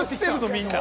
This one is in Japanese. みんな。